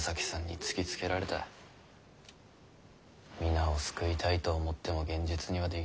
皆を救いたいと思っても現実にはできねぇ。